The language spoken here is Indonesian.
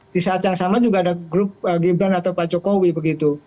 di saat yang sama juga ada grup gibran atau pak jokowi begitu